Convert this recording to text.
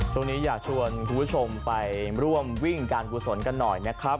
ช่วงนี้อยากชวนคุณผู้ชมไปร่วมวิ่งการกุศลกันหน่อยนะครับ